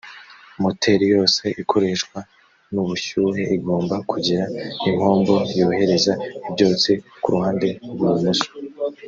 moteri yose ikoreshwa n ubushyuhe igomba kugira impombo yohereza ibyotsi ku ruhande rwubumoso